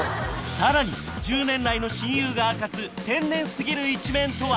さらに１０年来の親友が明かす天然すぎる一面とは？